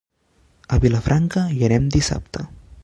A Vilafranca hi anem dissabte.